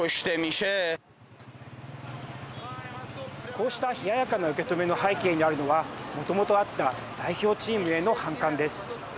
こうした冷ややかな受け止めの背景にあるのはもともとあった代表チームへの反感です。